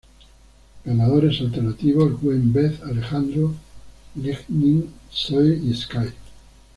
Ganadores Alternativos: Gwen, Beth, Alejandro, Lightning, Zoey y Sky.